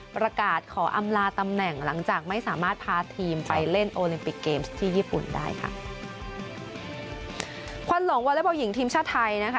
พาทีมไปเล่นโอลิมปิกเกมส์ที่ญี่ปุ่นได้ค่ะควรหลงวอเล็บอลหญิงทีมชาวไทยนะคะ